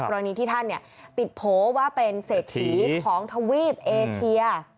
ตอนนี้ที่ท่านเนี่ยติดโพส์ว่าเป็นเศรษฐีของทวีปเอเชียร์